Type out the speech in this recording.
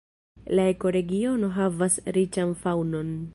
La ekoregiono havas riĉan faŭnon.